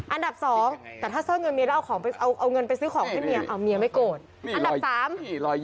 อันดับสองแต่ถ้าซ่อนเงินเมียเอาเงินไปซื้อของให้เมียเอาเมียไม่โกรธ